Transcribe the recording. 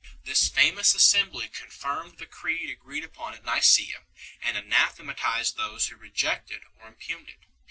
This famous assembly confirmed the Creed agreed upon at Nicaea, and anathematized those who rejected or im pugned it 1